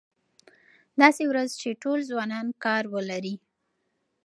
داسې ورځ چې ټول ځوانان کار ولري.